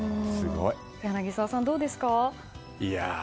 柳澤さんはどうですか？